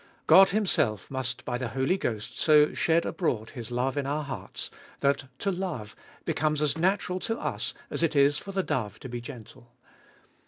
God Himself must by the Holy Ghost so shed abroad His love in our hearts, that to love becomes as natural to us as it is for the dove to be gentle.